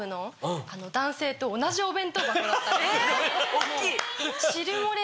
大っきい。